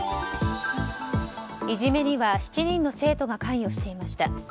いじめには７人の生徒が関与していました。